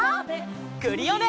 クリオネ！